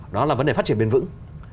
đó là vấn đề phát triển bền vững